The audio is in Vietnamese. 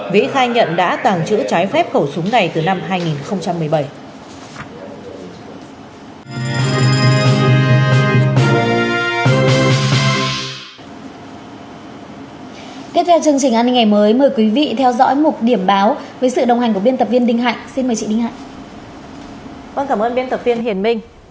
vĩ khai nhận đã tàng trữ trái phép khẩu súng này từ năm hai nghìn một mươi bảy